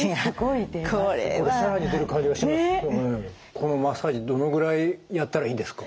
このマッサージどのぐらいやったらいいんですか？